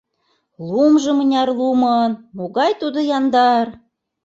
— Лумжо мыняр лумын, могай тудо яндар!